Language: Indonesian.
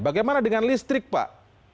bagaimana dengan listrik pak